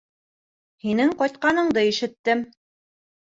Һинең ҡайтҡаныңды ишеттем.